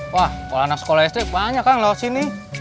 wah kalau anak sekolah listrik banyak kan lewat sini